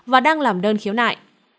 và đang làm đơn khiếu nại